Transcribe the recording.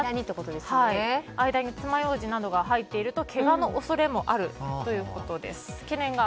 間につまようじなどが入っているとけがの恐れもあるということです。